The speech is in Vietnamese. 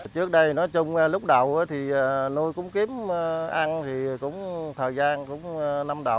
trước đây nói chung lúc đầu thì nuôi cũng kiếm ăn thì cũng thời gian cũng năm đầu